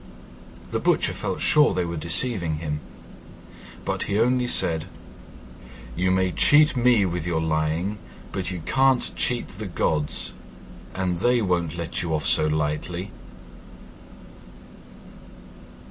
The Butcher felt sure they were deceiving him, but he only said, "You may cheat me with your lying, but you can't cheat the gods, and they won't let you off so lightly."